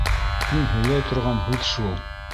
Һин һөйләй торған һүҙ шул.